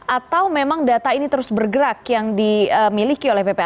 atau memang data ini terus bergerak yang dimiliki oleh ppatk